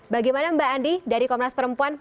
bagaimana mbak andi dari komnas perempuan